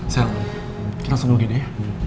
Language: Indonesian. sel kita langsung dulu gini ya